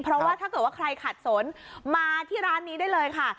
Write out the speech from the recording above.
เพราะว่าถ้าเกิดว่าใครขัดสนมาที่ร้านนี้ได้เลยค่ะ